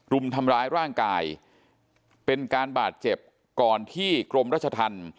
รุมทำร้ายร่างกายเป็นการบาดเจ็บก่อนที่กรมรัชธรรม